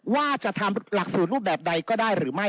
ว่าจะทำหลักสูตรรูปแบบใดก็ได้หรือไม่